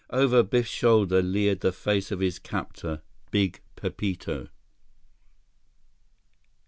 Over Biff's shoulder leered the face of his captor, Big Pepito!